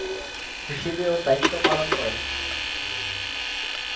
হিসেবেও দায়িত্ব পালন করেন।